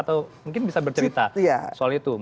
atau mungkin bisa bercerita soal itu